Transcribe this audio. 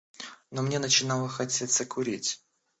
Но мне начинало хотеться курить.